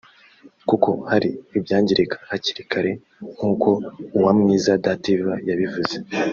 kuko hari ibyangirika hakiri kare nk’uko Uwamwiza Dative yabivuze